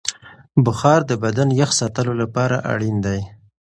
بخار د بدن یخ ساتلو لپاره اړین دی.